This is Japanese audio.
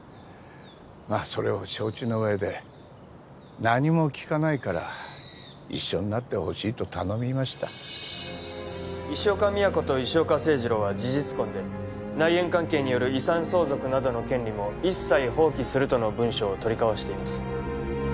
まあそれを承知の上で何も聞かないから一緒になってほしいと頼みました石岡美也子と石岡清治郎は事実婚で内縁関係による遺産相続などの権利も一切放棄するとの文書を取り交わしています